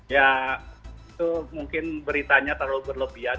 ya itu mungkin beritanya terlalu berlebihan